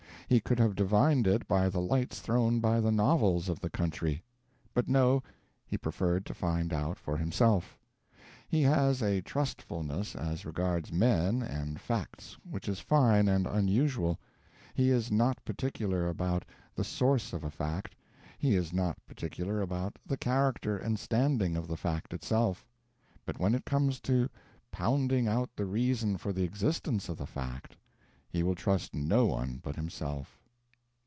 He could have divined it by the lights thrown by the novels of the country. But no, he preferred to find out for himself. He has a trustfulness as regards men and facts which is fine and unusual; he is not particular about the source of a fact, he is not particular about the character and standing of the fact itself; but when it comes to pounding out the reason for the existence of the fact, he will trust no one but himself.